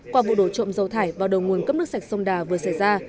qua vụ đổ trộm dầu thải vào đầu nguồn cấp nước sạch sông đà vừa xảy ra